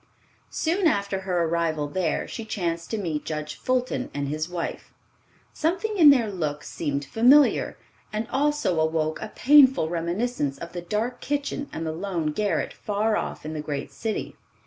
Soon after her arrival there she chanced to meet Judge Fulton and his wife. Something in their looks seemed familiar, and also awoke a painful reminiscence of the dark kitchen and the lone garret far off in the great city.